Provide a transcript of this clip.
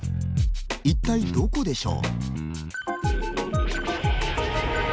一体どこでしょう。